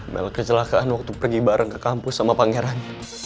melakukan kecelakaan waktu pergi bareng ke kampus sama pangeran